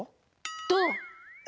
どう？